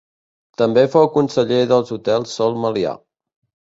També fou conseller dels hotels Sol Melià.